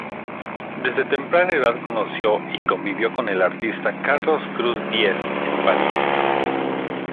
Desde temprana edad conoció y convivió con el artista Carlos Cruz Diez, en París.